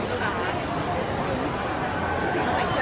ก็กลับทวนเส้นตัวใหม่